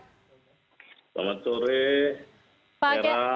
selamat sore kira